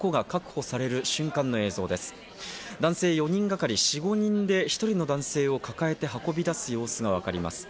男性４人がかり、４５人で１人の男性を抱えて運び出す様子が分かります。